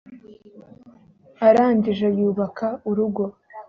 arangije yubaka urugo